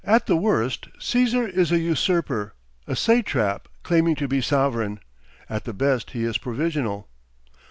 At the worst Caesar is a usurper, a satrap claiming to be sovereign; at the best he is provisional.